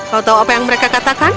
kalau tahu apa yang mereka katakan